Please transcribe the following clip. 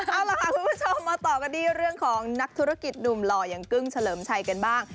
เอาล่ะคุณผู้ชมมาต่อกันที่เรื่องของนักธุรกิจหนุ่มหล่ออย่างกึ้งเฉลิมชัยกันบ้าง